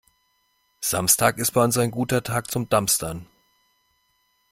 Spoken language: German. Samstag ist bei uns ein guter Tag zum Dumpstern.